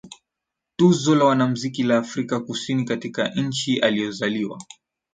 Tuzo la Wanamziki la Afrika Kusini katika nchi aliyozaliwa